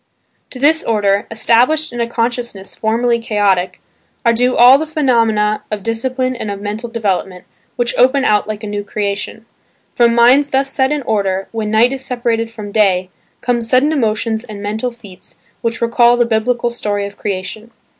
To this order, established in a consciousness formerly chaotic, are due all the phenomena of discipline and of mental development, which open out like a new Creation. From minds thus set in order, when "night is separated from day" come sudden emotions and mental feats which recall the Biblical story of Creation.